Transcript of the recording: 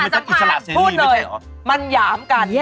พูดเลยมันหยามกัน